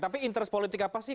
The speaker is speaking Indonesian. tapi interest politik apa sih